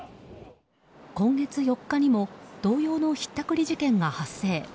今月４日にも同様のひったくり事件が発生。